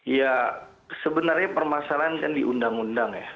ya sebenarnya permasalahan kan di undang undang ya